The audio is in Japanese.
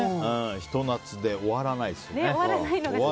ひと夏で終わらないですね。